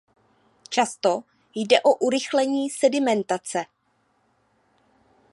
Často jde o urychlení sedimentace.